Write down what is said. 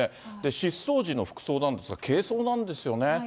失踪時の服装なんですが、軽装なんですよね。